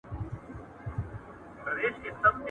مازیګر تېر شو او توره شپه راغله.